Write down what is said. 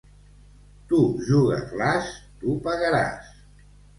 Tu jugues l'as, tu pagaràs.